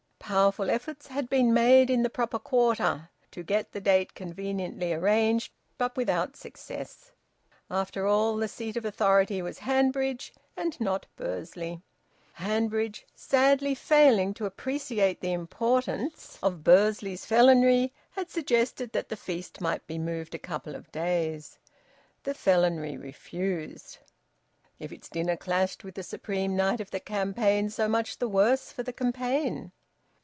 Powerful efforts had been made `in the proper quarter' to get the date conveniently arranged, but without success; after all, the seat of authority was Hanbridge and not Bursley. Hanbridge, sadly failing to appreciate the importance of Bursley's Felonry, had suggested that the feast might be moved a couple of days. The Felonry refused. If its dinner clashed with the supreme night of the campaign, so much the worse for the campaign!